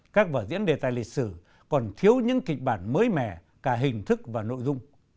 các vở diễn đề tài lịch sử còn thiếu những kịch bản mới mẻ cả hình thức và nội dung